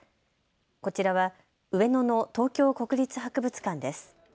こちらは上野の東京国立博物館です。